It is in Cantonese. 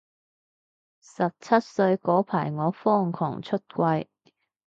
十七歲嗰排我瘋狂出櫃